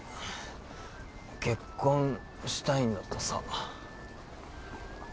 結婚したいんだとさ